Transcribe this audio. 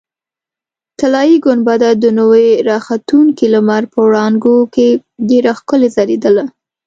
طلایي ګنبده د نوي راختونکي لمر په وړانګو کې ډېره ښکلې ځلېدله.